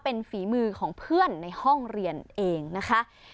เป็นฝีมือของเพื่อนในห้องเรียนเองนะคะ